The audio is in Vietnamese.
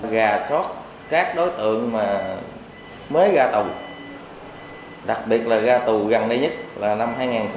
gà sót các đối tượng mới ra tù đặc biệt là ra tù gần đây nhất là năm hai nghìn một mươi sáu